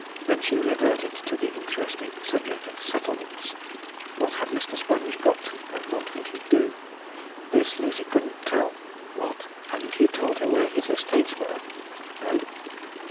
Then she reverted to the interesting subject of settlements. 'What had Mr. Sponge got, and what would he do?' This Lucy couldn't tell. 'What! hadn't he told her where is estates were? 'No.'